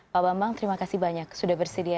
pak bambang terima kasih banyak sudah bersedia